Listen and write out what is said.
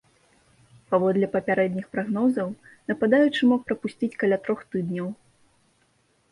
Паводле папярэдніх прагнозаў, нападаючы мог прапусціць каля трох тыдняў.